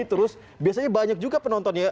terus biasanya banyak juga penonton ya